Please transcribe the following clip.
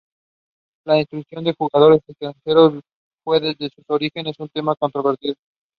Nomadic Ladakhi graziers also used them for grazing cattle.